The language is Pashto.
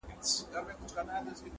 چا به ویل چي یوه ورځ به داسي هم ووینو،